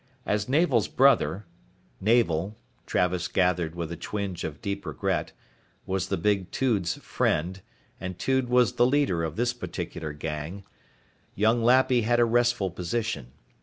As Navel's brother Navel, Travis gathered with a twinge of deep regret, was the big Tude's 'friend', and Tude was the leader of this particular gang young Lappy had a restful position.